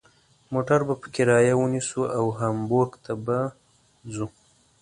موټر به په کرایه ونیسو او هامبورګ ته به ځو.